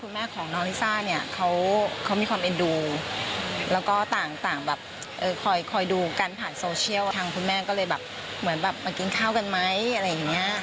คุณแม่ของน้องลิซ่าเนี่ยเขามีความเอ็นดูแล้วก็ต่างแบบคอยดูกันผ่านโซเชียลทางคุณแม่ก็เลยแบบเหมือนแบบมากินข้าวกันไหมอะไรอย่างเงี้ย